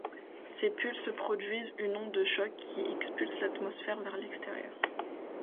Ces pulses produisent une onde de choc qui expulse l'atmosphère vers l'extérieur.